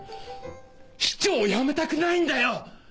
市長辞めたくないんだよ！